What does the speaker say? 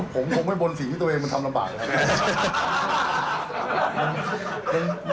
ผมคงไม่บนสิ่งที่ตัวเองมันทำลำบากนะครับ